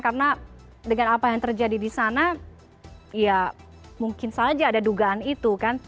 karena dengan apa yang terjadi di sana ya mungkin saja ada dugaan itu kan